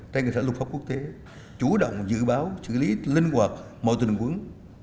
tây nguyễn pháp quốc tế chủ động dự báo xử lý linh hoạt mọi tình huống